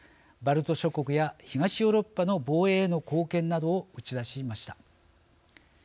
バルト諸国や東ヨーロッパの防衛への貢献などを打ち出しました。